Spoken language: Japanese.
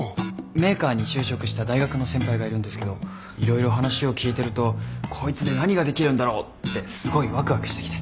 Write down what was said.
メーカーに就職した大学の先輩がいるんですけど色々話を聞いてるとこいつで何ができるんだろうってすごいわくわくしてきて。